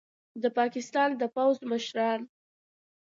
د پاکستان د پوځ مشران